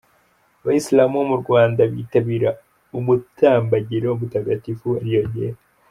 Abayisilamu bo mu Rwanda bitabira umutambagiro mutagatifu bariyongera